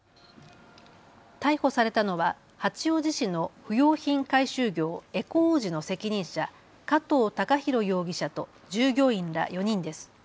逮捕されたのは八王子市の不用品回収業、エコ王子の責任者、加藤恭大容疑者と従業員ら４人です。